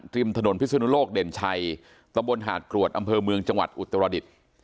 ริมถนนพิศนุโลกเด่นชัยตำบลหาดกรวดอำเภอเมืองจังหวัดอุตรดิษฐ์